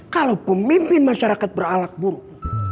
kalau pemimpin masyarakat berallak buruk